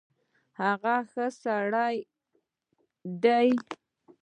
هغه ښۀ سړی ډی